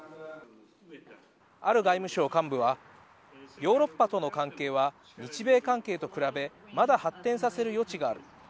ある外務省幹部はヨーロッパとの関係は日米関係と比べ、まだ発展させる余地がある。